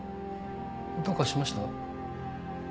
どうかしました？